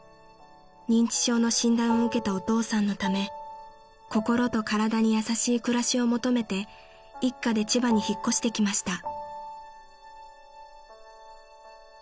［認知症の診断を受けたお父さんのため心と体に優しい暮らしを求めて一家で千葉に引っ越してきました］